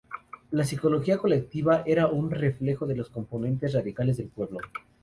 La psicología colectiva era un reflejo de los componentes raciales del pueblo.